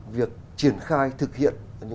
việc triển khai thực hiện